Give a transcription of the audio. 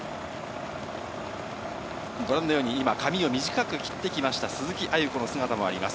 ご覧のように、今、髪を短く切ってきました鈴木亜由子の姿もあります。